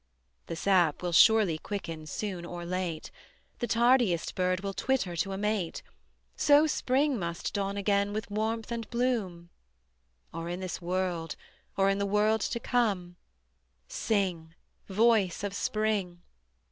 The sap will surely quicken soon or late, The tardiest bird will twitter to a mate; So Spring must dawn again with warmth and bloom, Or in this world, or in the world to come: Sing, voice of Spring!